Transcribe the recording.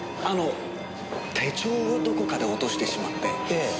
あの手帳をどこかで落としてしまって。